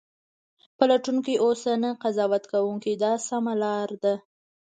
پلټونکی اوسه نه قضاوت کوونکی دا سمه لار ده.